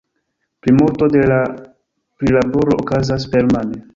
Plimulto de la prilaboro okazas permane.